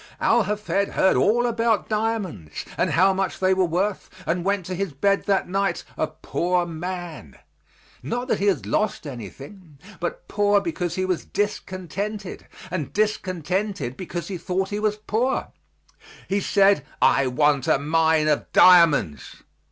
Al Hafed heard all about diamonds and how much they were worth, and went to his bed that night a poor man not that he had lost anything, but poor because he was discontented and discontented because he thought he was poor. He said: "I want a mine of diamonds!"